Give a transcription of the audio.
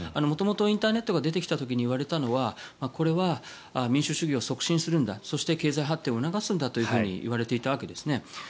元々インターネットが出てきた時にいわれたのはこれは民主主義を促進するんだそして経済発展を促すんだといわれていたわけですね。